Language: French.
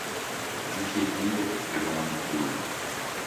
Dix pieds de vide, le monde croule !